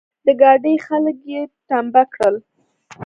د ګاډي خلګ يې ټمبه کړل.